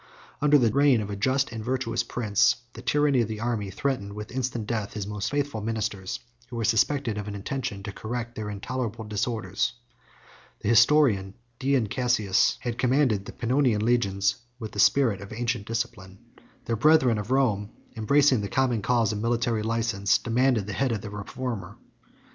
74 Under the reign of a just and virtuous prince, the tyranny of the army threatened with instant death his most faithful ministers, who were suspected of an intention to correct their intolerable disorders. The historian Dion Cassius had commanded the Pannonian legions with the spirit of ancient discipline. Their brethren of Rome, embracing the common cause of military license, demanded the head of the reformer.